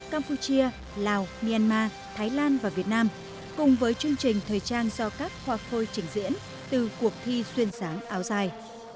campuchia lào myanmar thái lan và việt nam cùng với chương trình thời trang do các khoa phôi trình diễn từ cuộc thi xuyên sáng áo dài